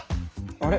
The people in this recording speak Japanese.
あれ？